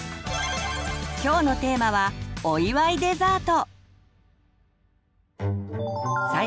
今日のテーマは「お祝いデザート」。